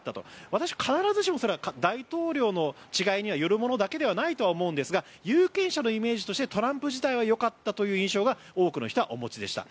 私、必ずしもそれは大統領の違いによるものだけではないとないとは思うんですが有権者のイメージとしてトランプ時代はよかったという印象が多くの人はお持ちでした。